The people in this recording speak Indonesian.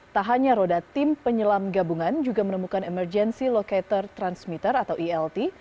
tak hanya roda tim penyelam gabungan juga menemukan emergency locator transmitter atau elt